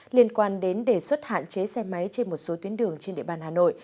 liên quan đến đề xuất hạn chế xe máy trên một số tuyến đường trên địa bàn hà nội